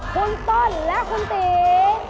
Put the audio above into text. คุณต้นและคุณตี